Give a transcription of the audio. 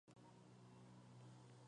Maca Martín.